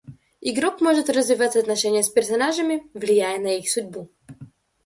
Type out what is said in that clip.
Игрок может развивать отношения с персонажами, влияя на их судьбу.